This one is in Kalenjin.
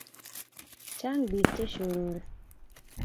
chang pik che shorore